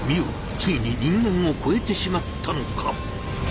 ついに人間をこえてしまったのか。